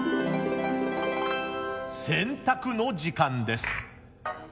選択の時間です。